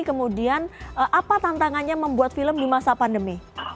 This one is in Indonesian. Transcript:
kemudian apa tantangannya membuat film di masa pandemi